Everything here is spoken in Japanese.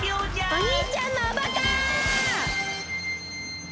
おにいちゃんのおバカ！